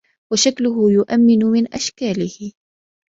وَشَكْلُهُ يُؤَمِّنُ مِنْ إشْكَالِهِ